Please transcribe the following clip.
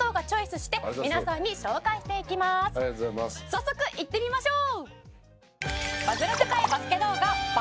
早速いってみましょう！